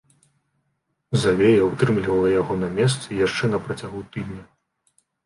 Завея ўтрымлівала яго на месцы яшчэ на працягу тыдня.